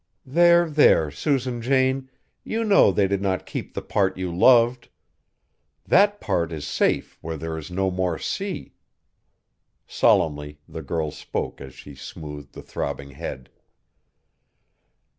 "There, there, Susan Jane, you know they did not keep the part you loved. That part is safe where there is no more sea!" Solemnly the girl spoke as she smoothed the throbbing head.